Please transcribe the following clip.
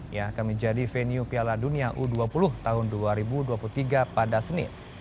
yang akan menjadi venue piala dunia u dua puluh tahun dua ribu dua puluh tiga pada senin